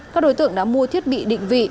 các đối tượng đã mua thiết bị định vị